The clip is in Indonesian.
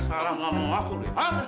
salah nggak mau ngaku lo ya